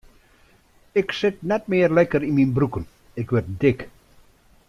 Ik sit net mear lekker yn myn broeken, ik wurd dik.